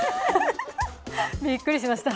びっくりしました。